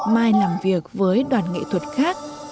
mai làm việc với đoàn nghệ thuật khác